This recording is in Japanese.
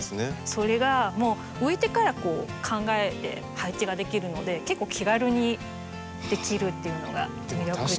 それが植えてから考えて配置ができるので結構気軽にできるっていうのが魅力です。